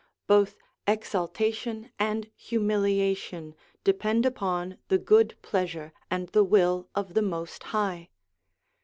Both exaltation and humiliation depend upon the good pleasure and the will of the Most High.